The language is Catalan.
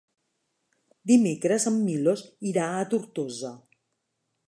Dimecres en Milos irà a Tortosa.